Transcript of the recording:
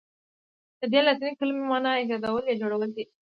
ددې لاتیني کلمې معنی ایجادول یا جوړول دي.